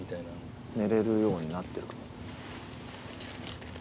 寝れるようになってる。